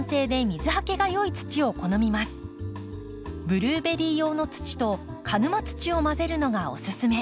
ブルーベリー用の土と鹿沼土を混ぜるのがおすすめ。